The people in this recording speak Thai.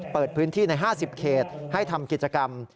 เปิดพื้นที่ใน๕๐เขตให้ทำกิจกรรม